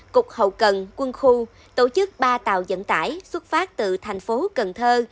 cục hậu cần quân khu tổ chức ba tàu dẫn tải xuất phát từ thành phố cần thơ